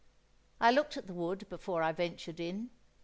I looked at the wood before I ventured in.